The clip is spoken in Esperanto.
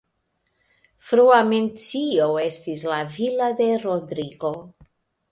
Frua mencio estis de Villa de Rodrigo.